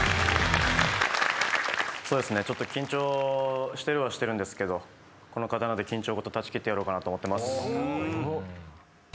そうですね緊張してるはしてるんですけどこの刀で緊張ごと断ち切ってやろうかなと思ってます。